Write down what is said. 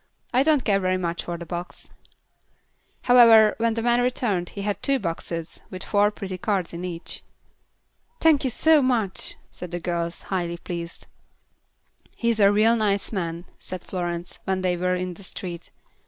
"I don't care very much for a box." However, when the man returned he had two boxes with four pretty cards in each. "Thank you so much," said the girls, highly pleased. "He is a real nice man," said Florence, when they were in the street.